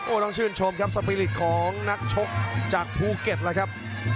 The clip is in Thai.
ต้องชื่นชมครับสปีริตของนักชกจากภูเก็ตแล้วครับ